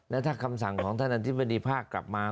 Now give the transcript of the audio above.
แล้วก็คำสั่งของท่านอาทิตย์บริษัทกลับมา